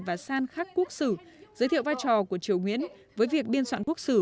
và san khắc quốc sử giới thiệu vai trò của triều nguyễn với việc biên soạn quốc sử